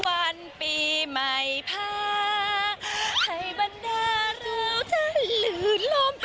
วันปีใหม่พาให้บรรดารู้ใจหลื่นล้ม